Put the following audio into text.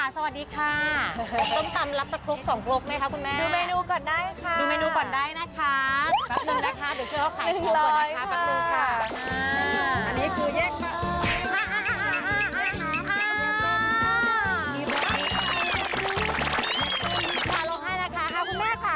ฉันปีกมาลงให้น่ะค่ะคุณแม่